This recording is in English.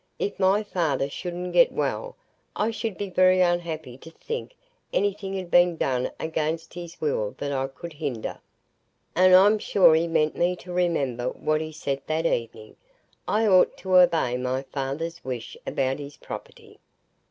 "If my father shouldn't get well, I should be very unhappy to think anything had been done against his will that I could hinder. And I'm sure he meant me to remember what he said that evening. I ought to obey my father's wish about his property."